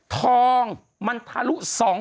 ทองมันทะลุ๒๐๐